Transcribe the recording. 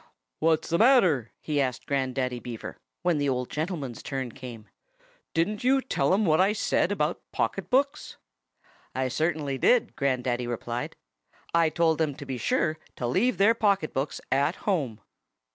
"What's the matter?" he asked Grandaddy Beaver, when the old gentleman's turn came. "Didn't you tell 'em what I said about pocket books?" "I certainly did!" Grandaddy replied. "I told them to be sure to leave their pocket books at home."